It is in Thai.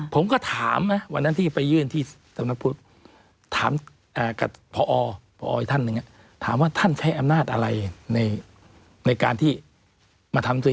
ผมก็ถามนะวันนั้นที่ไปยื่นที่ตำนับพุทธถามกัดพออ